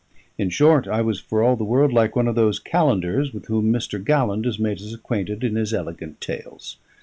In short, I was for all the world like one of those calendars with whom Mr. Galland has made us acquainted in his elegant tales.